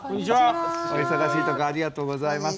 お忙しいとこありがとうございます。